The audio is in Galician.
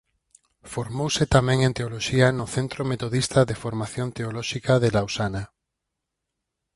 Formouse tamén en teoloxía no Centro Metodista de Formación Teolóxica de Lausana.